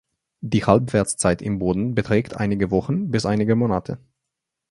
Die Halbwertszeit im Boden beträgt einige Wochen bis einige Monate.